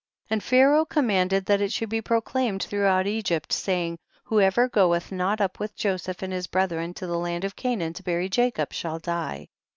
33. And Pharaoh commanded that it should be proclaimed throughout Egypt, saying, whoever goeth not up with Joseph and his brethren to the land of Canaan to bury Jacob, shall die.